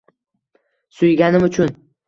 Suyganim uchun…